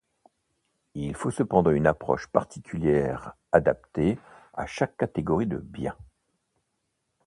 Il faut cependant une approche particulière adaptée à chaque catégorie de biens.